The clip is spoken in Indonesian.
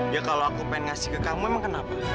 ya kalau aku pengen ngasih ke kamu emang kenapa